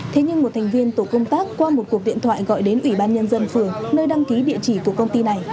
thế nhưng một thành viên tổ công tác qua một cuộc điện thoại gọi đến ủy ban nhân dân phường nơi đăng ký địa chỉ của công ty này